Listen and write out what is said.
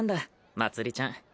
まつりちゃん